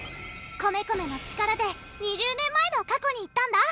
コメコメの力で２０年前の過去に行ったんだ